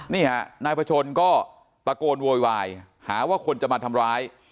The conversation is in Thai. นี่ฮะนายประชนก็ตะโกนโวยวายหาว่าคนจะมาทำร้าย